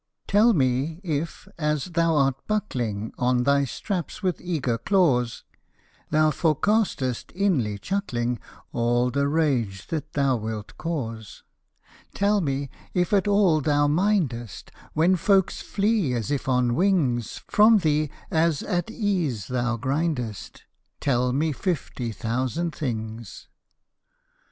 Tell me if, as thou art buckling On thy straps with eager claws, Thou forecastest, inly chuckling, All the rage that thou wilt cause. Tell me if at all thou mindest When folks flee, as if on wings, From thee as at ease thou grindest: Tell me fifty thousand things.